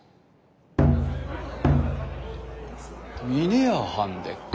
峰屋はんでっか？